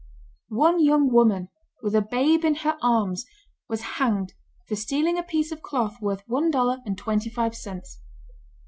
One young woman, with a babe in her arms, was hanged for stealing a piece of cloth worth one dollar and twenty five cents!